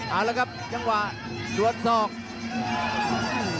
เอาแล้วครับจังหวะสวนสอง